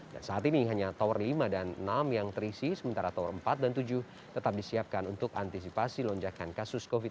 dan saat ini hanya tower lima dan enam yang terisi sementara tower empat dan tujuh tetap disiapkan untuk antisipasi lonjakan kasus covid sembilan belas